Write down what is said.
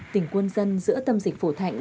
tỉnh quân dân giữa tâm dịch phổ thạnh